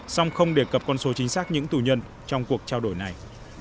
song không đề cập con số chính xác những tù nhân trong cuộc trao đổi này